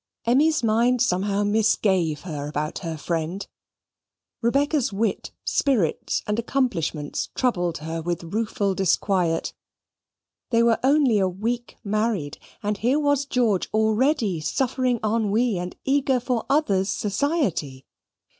Emmy's mind somehow misgave her about her friend. Rebecca's wit, spirits, and accomplishments troubled her with a rueful disquiet. They were only a week married, and here was George already suffering ennui, and eager for others' society!